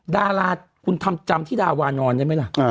ดาราคุณทำจำที่ดาวานอนได้ไหมล่ะ